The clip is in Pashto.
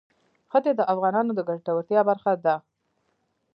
ښتې د افغانانو د ګټورتیا برخه ده.